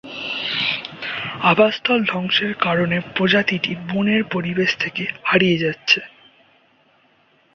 আবাসস্থল ধ্বংসের কারণে প্রজাতিটি বনের পরিবেশ থেকে হারিয়ে যাচ্ছে।